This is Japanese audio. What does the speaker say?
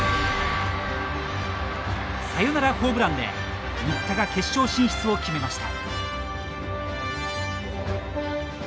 サヨナラホームランで新田が決勝進出を決めました。